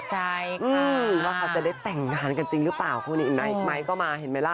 ใช่ค่ะว่าเขาจะได้แต่งงานกันจริงหรือเปล่าคู่นี้ไมค์ก็มาเห็นไหมล่ะ